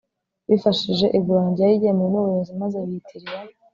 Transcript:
bifashishije igurana ryari ryemewe n ubuyobozi maze biyitirira